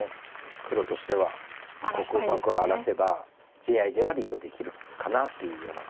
黒としてはここをうまく荒らせば地合いではリードできるかなというような。